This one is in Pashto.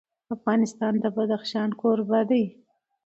افغانستان د بدخشان کوربه دی.